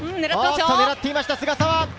狙っていました、菅澤。